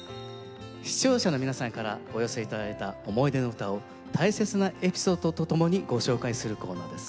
視聴者の皆さんからお寄せ頂いた思い出の唄を大切なエピソードとともにご紹介するコーナーです。